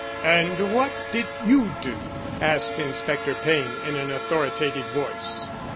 "And what did you do?" asked Inspector Payne, in an authoritative voice.